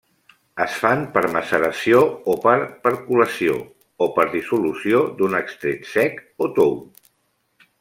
Es fan per maceració o per percolació o per dissolució d'un extret sec o tou.